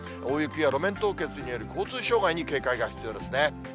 大雪や路面凍結による交通障害に警戒が必要ですね。